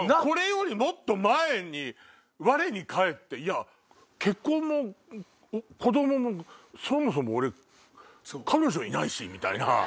これよりもっと前に我に返って「いや結婚も子供もそもそも俺彼女いないし」みたいな。